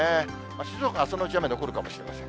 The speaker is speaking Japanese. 静岡は朝のうち雨が残るかもしれません。